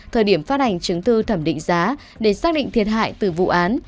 thời điểm phát hành chứng thư thẩm định giá để xác định thiệt hại từ vụ án